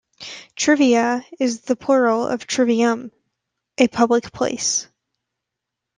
"Trivia" is the plural of "trivium", "a public place.